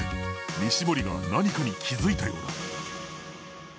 西森が何かに気付いたようだ。